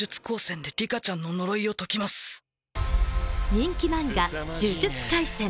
人気漫画「呪術廻戦」。